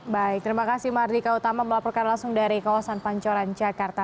baik terima kasih mardika utama melaporkan langsung dari kawasan pancoran jakarta